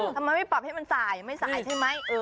ทำไมไม่ปรับให้มันสายไม่สายใช่ไหม